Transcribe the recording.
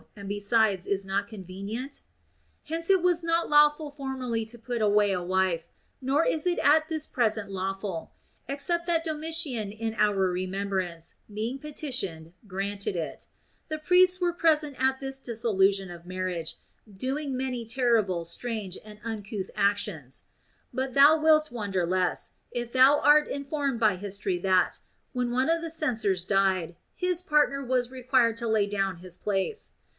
and besides is not convenient] Hence it was not lawful formerly to put away a wife, nor is it at this present lawful ; except that Domitian in our remembrance, being petitioned, granted it. The priests were present at this dissolution of marriage, doing many terrible, strange, and uncouth actions. But thou wilt wonder less, if thou art informed by history that, when one of the censors died, his partner was required to lay down his place.